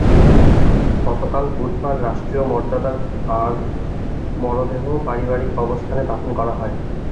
গতকাল বুধবার রাষ্ট্রীয় মর্যাদায় তাঁর মরদেহ পারিবারিক কবরস্থানে দাফন করা হয়।